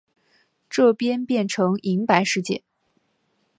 这边变成银白世界